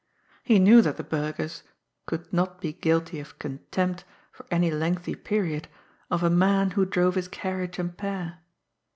He knew that the burghers could not be guilty of contempt, for any lengthy period, of a man who drove his carriage and pair.